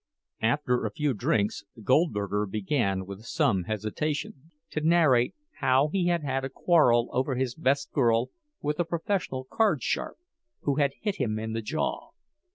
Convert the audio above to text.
After a few drinks Goldberger began, with some hesitation, to narrate how he had had a quarrel over his best girl with a professional "cardsharp," who had hit him in the jaw.